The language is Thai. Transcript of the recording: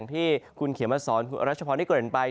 ที่คุณเขียนมาสอนคุณรัชพรที่เกิดอื่นไป